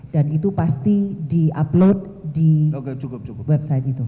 dan itu pasti di upload di website itu